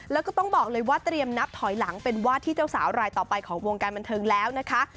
แล้วก็ต้องบอกเลยว่าเตรียมนับถอยหลังเป็นวาดที่เจ้าสาวรายต่อไปของวงการบันเทิงแล้วนะคะ